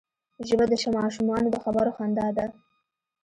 ژبه د ماشومانو د خبرو خندا ده